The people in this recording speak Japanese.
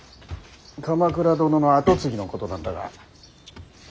鎌倉殿の跡継ぎのことなんだが。